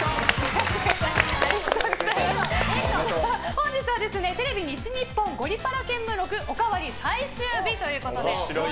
本日はテレビ西日本「ゴリパラ見聞録」おかわり最終日ということで。